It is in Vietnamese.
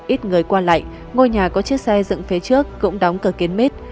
ít người qua lại ngôi nhà có chiếc xe dựng phía trước cũng đóng cửa kiến mít